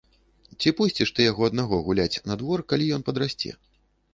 Ці пусціш ты яго аднаго гуляць на двор, калі ён падрасце?